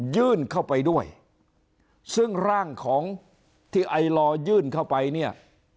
ยื่นเข้าไปด้วยซึ่งร่างของที่ไอลอยื่นเข้าไปเนี่ย